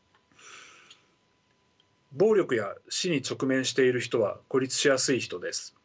暴力や死に直面している人は孤立しやすい人です。